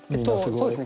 そうですね。